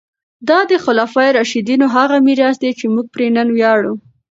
دا د خلفای راشدینو هغه میراث دی چې موږ پرې نن ویاړو.